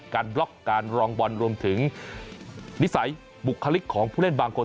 บล็อกการรองบอลรวมถึงนิสัยบุคลิกของผู้เล่นบางคน